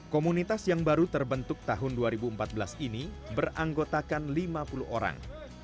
komunitas yang baru terbentuk tahun dua ribu empat belas ini beranggotakan lima puluh orang